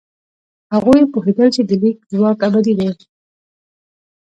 هغوی پوهېدل چې د لیک ځواک ابدي دی.